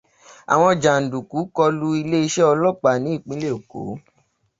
Àwọn jàǹdùkú kọlu ilé-iṣẹ́ ọlọ́pàá ní ìpínlẹ̀ Èkó.